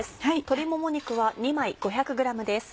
鶏もも肉は２枚５００ｇです。